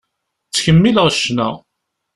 Ttkemmileɣ ccna.